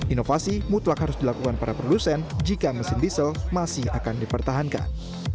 inovasi mutlak harus dilakukan para produsen jika mesin diesel masih akan dipertahankan